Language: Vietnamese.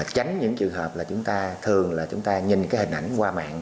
tránh những trường hợp là chúng ta thường là chúng ta nhìn cái hình ảnh qua mạng